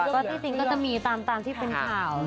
ก็คิดีสิตรึงตามตามที่เป็นข่าว